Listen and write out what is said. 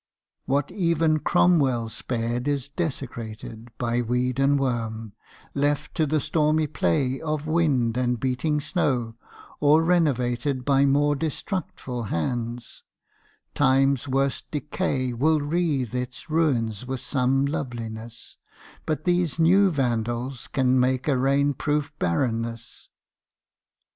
What even Cromwell spared is desecrated By weed and worm, left to the stormy play Of wind and beating snow, or renovated By more destructful hands: Time's worst decay Will wreathe its ruins with some loveliness, But these new Vandals can but make a rain proof barrenness.